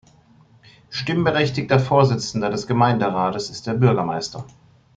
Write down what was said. Stimmberechtigter Vorsitzender des Gemeinderates ist der Bürgermeister.